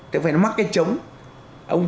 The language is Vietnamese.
thế phải nó mắc cái trống